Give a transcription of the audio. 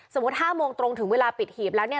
๕โมงตรงถึงเวลาปิดหีบแล้วเนี่ย